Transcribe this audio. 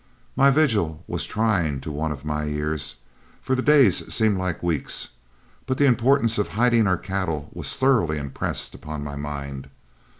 My vigil was trying to one of my years, for the days seemed like weeks, but the importance of hiding our cattle was thoroughly impressed upon my mind.